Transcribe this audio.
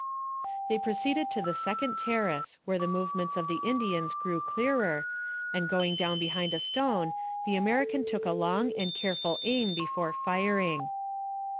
They proceeded to the second terrace, where the movements of the Indians grew clearer, and going down behind a stone the American took a long and careful aim before firing.